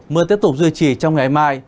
mưa tiếp tục duy trì trong ngày mai